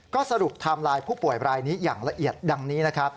ก็สรุปไทม์ไลน์ผู้ป่วยรายนี้อย่างละเอียดดังนี้นะครับ